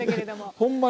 ほんまに。